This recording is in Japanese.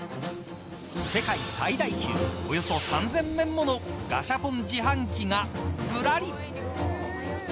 世界最大級およそ３０００面ものガシャポン自販機がずらり。